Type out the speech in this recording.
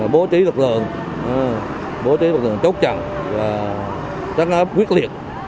bố trí lực lượng bố trí lực lượng chốt chặt và chắc ngáp quyết liệt